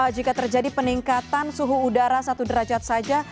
jika terjadi peningkatan suhu udara satu derajat saja